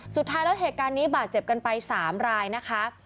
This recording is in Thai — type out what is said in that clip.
สุดท้ายแล้วเหตุการณ์นี้บาดเจ็บกันไป๓รายนะคะ